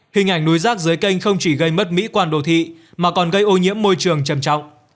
hình ảnh núi rác dưới canh không chỉ gây mất mỹ quan đồ thị mà còn gây ô nhiễm môi trường trầm trọng